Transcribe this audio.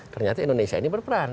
ternyata indonesia ini berperan